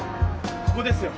ここですよ。